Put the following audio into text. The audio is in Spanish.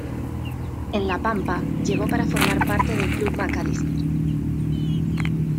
En La Pampa, llegó para formar parte del club Mac Allister.